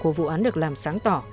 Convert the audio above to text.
của vụ án được làm sáng tỏ